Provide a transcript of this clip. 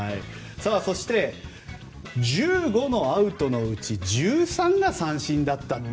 そして１５のアウトのうち１３が三振だったと。